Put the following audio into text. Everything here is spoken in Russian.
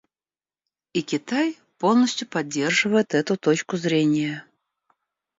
И Китай полностью поддерживает эту точку зрения.